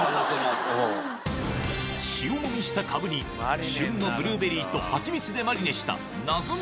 塩もみしたカブに旬のブルーベリーとハチミツでマリネした謎の前菜